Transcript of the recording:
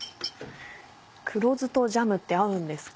黒酢とジャムって合うんですか？